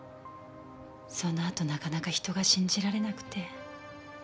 そのあとなかなか人が信じられなくて。